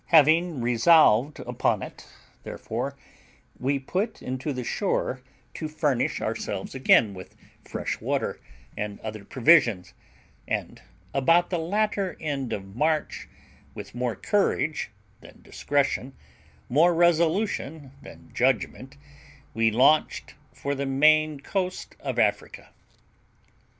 Having resolved upon it, therefore, we put into the shore to furnish ourselves again with fresh water and other provisions, and about the latter end of March, with more courage than discretion, more resolution than judgment, we launched for the main coast of Africa.